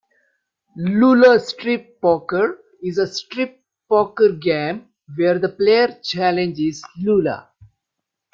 "Lula Strip Poker" is a strip poker game where the player challenges Lula.